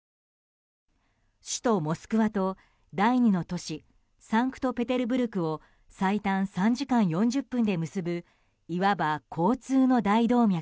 首都モスクワと第２の都市サンクトペテルブルクを最短３時間４０分で結ぶいわば交通の大動脈。